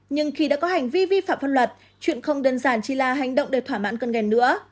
nhưng khi đã có hành vi vi phạm pháp luật chuyện không đơn giản chỉ là hành động để thỏa mãn cân ghen nữa